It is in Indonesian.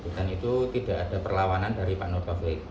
dan itu tidak ada perlawanan dari pak nur taufik